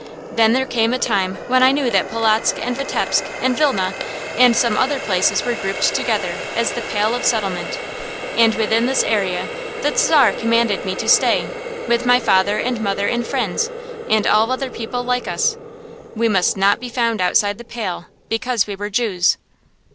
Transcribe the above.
Then there came a time when I knew that Polotzk and Vitebsk and Vilna and some other places were grouped together as the "Pale of Settlement," and within this area the Czar commanded me to stay, with my father and mother and friends, and all other people like us. We must not be found outside the Pale, because we were Jews.